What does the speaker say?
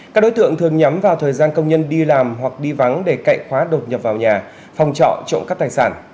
các đối tượng thường nhắm vào thời gian công nhân đi làm hoặc đi vắng để cậy khóa đột nhập vào nhà phòng trọ trộm cắp tài sản